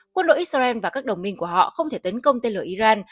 quân đội israel và các đồng minh của họ không thể tấn công tên lửa iran